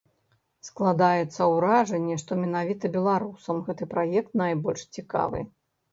Складаецца ўражанне, што менавіта беларусам гэты праект найбольш цікавы.